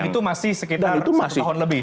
dan itu masih sekitar satu tahun lebih